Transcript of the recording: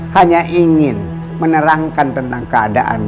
hanya ingin menerangkan tentang keadaan